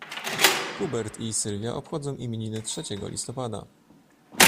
Hubert i Sylwia obchodzą imieniny trzeciego listopada.